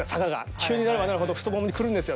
急になればなるほど太ももに来るんですよ